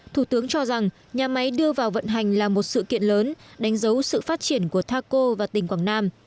thủ tướng cho rằng nhà máy đưa vào vận hành là một sự kiện lớn đánh dấu sự phát triển của taco và tỉnh quảng nam